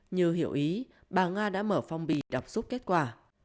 như hiểu ý bà nga đã mở phong bì đọc giúp kết quả